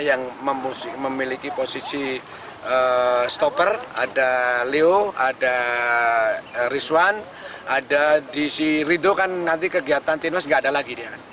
yang memiliki posisi stopper ada leo ada rizwan ada di si ridho kan nanti kegiatan tinos nggak ada lagi dia